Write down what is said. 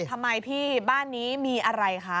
ทำไมพี่บ้านนี้มีอะไรคะ